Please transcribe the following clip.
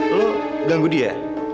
eh lo ganggu dia ya